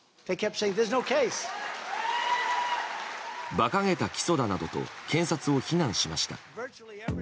馬鹿げた起訴だなどと検察を非難しました。